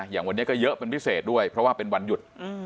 อย่างวันนี้ก็เยอะเป็นพิเศษด้วยเพราะว่าเป็นวันหยุด